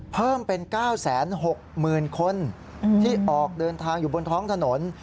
เพิ่มเป็น๙๖๐๐๐คนที่ออกเดินทางอยู่บนท้องถนน